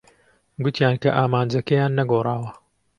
گوتیان کە ئامانجەکانیان نەگۆڕاوە.